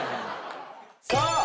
さあ